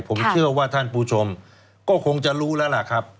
ผมเชื่อว่าท่านผู้ชมก็คงจะรู้แล้วล่ะครับ